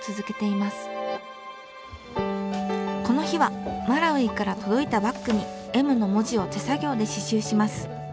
この日はマラウイから届いたバッグにＭの文字を手作業で刺しゅうします。